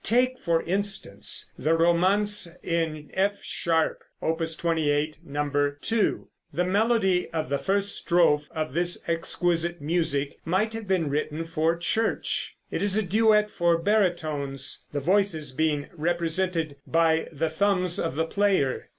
Take for instance, the romanze in F sharp, Opus 28, No. 2. The melody of the first strophe of this exquisite music might have been written for Church. It is a duet for baritones, the voices being represented by the thumbs of the player.